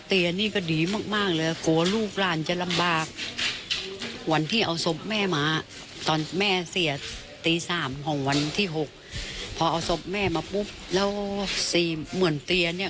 ตีสามห่วงวันที่หกพอเอาศพแม่มาปุ๊บแล้วสี่เหมือนเตียร์เนี้ย